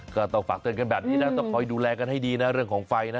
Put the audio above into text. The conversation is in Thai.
ก็ต้องฝากเตือนกันแบบนี้นะต้องคอยดูแลกันให้ดีนะเรื่องของไฟนะ